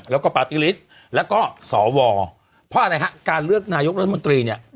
แล้วก็ปาร์ตี้ลิสต์แล้วก็สวเพราะอะไรฮะการเลือกนายกรัฐมนตรีเนี่ย